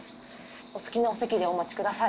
お好きなお席でお待ちください。